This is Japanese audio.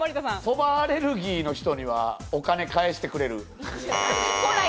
そばアレルギーの人にはお金返してくれる。